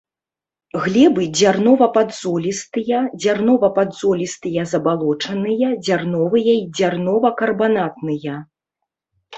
Глебы дзярнова-падзолістыя, дзярнова-падзолістыя забалочаныя, дзярновыя і дзярнова-карбанатныя.